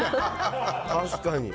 確かに。